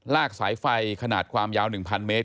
สายไฟขนาดความยาว๑๐๐เมตร